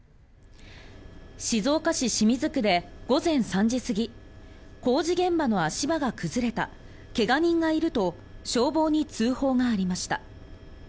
静岡市清水区で午前３時過ぎ工事現場の足場が崩れた怪我人がいると消防に通報がありました。